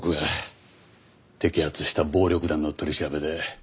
摘発した暴力団の取り調べで。